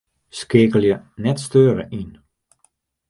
Skeakelje 'net steure' yn.